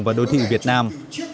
và đồ thị việt nam